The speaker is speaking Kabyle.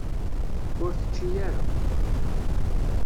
Ur tečči ara.